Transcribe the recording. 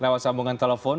lewat sambungan telepon